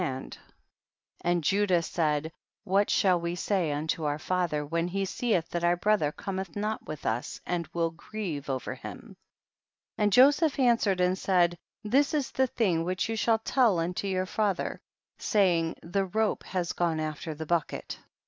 I and Judah said, what shall we say unto our father, when he seeth that our brother cometh not with us, aJid will grieve over him ? 22. And Joseph answered and said, this is the thing which you shall tell unto your father, saying, the rope has gone after the bucket.